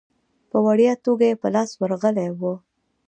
په وړیا توګه یې په لاس ورغلی وو.